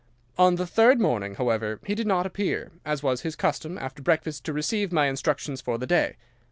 On the third morning, however he did not appear, as was his custom, after breakfast to receive my instructions for the day.